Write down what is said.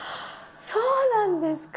そうなんですか。